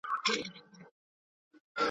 نیمګړی پاتې شي ازار مې سر ته نه رسیږي